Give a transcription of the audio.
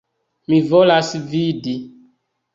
Mi volas vidi.